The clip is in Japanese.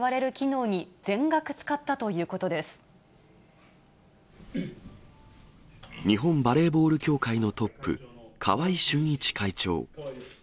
日本バレーボール協会のトップ、川合俊一会長。